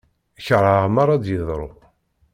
Kerheɣ mara d-yeḍru.